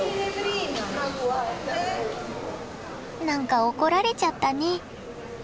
何か怒られちゃったね。